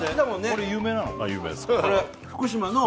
これ有名なの？